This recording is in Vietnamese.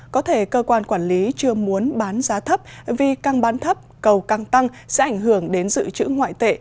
có thể cơ quan quản lý chưa muốn bán giá thấp vì càng bán thấp cầu càng tăng sẽ ảnh hưởng đến dự trữ ngoại tệ